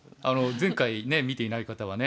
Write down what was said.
前回見ていない方はね